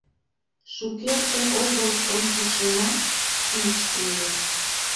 Шукерте огыл ончышымат, тич ыле...